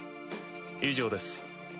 以上です。